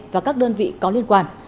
và các đơn vị có liên quan